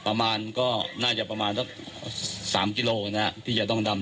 ประมาณก็น่าจะประมาณสัก๓กิโลนะที่จะต้องดำ